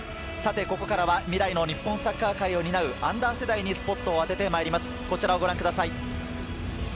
ここからは未来のサッカー界を担うアンダー世代にスポットを当ててまいります。